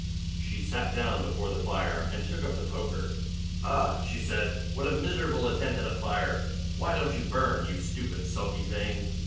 She sat down before the fire and took up the poker. 'Ugh!' she said. 'What a miserable attempt at a fire! why don't you burn, you stupid, sulky thing?'